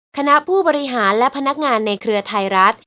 คณะผู้บริหารและพนักงานในเครือไทยรัฐ